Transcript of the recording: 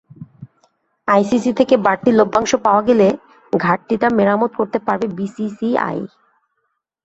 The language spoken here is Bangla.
আইসিসি থেকে বাড়তি লভ্যাংশ পাওয়া গেলে ঘাটতিটা মেরামত করতে পারবে বিসিসিআই।